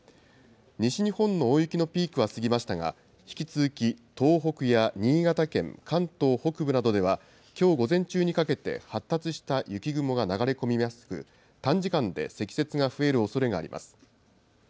西日本の大雪のピークは過ぎましたが、引き続き東北や新潟県、関東北部などでは、きょう午前中にかけて、発達した雪雲が流れ込みやすく、短時間で積雪が増えるおそれがあります。